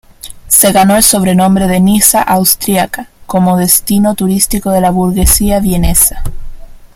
Se ganó el sobrenombre de "Niza austríaca" como destino turístico de la burguesía vienesa.